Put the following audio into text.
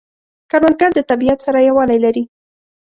کروندګر د طبیعت سره یووالی لري